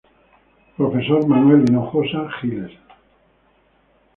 Profesor Manuel Hinojosa Giles.